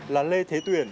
là lê thế tuyển